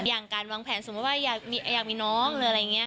อย่างการวางแผนสมมุติว่าอยากมีน้องหรืออะไรอย่างนี้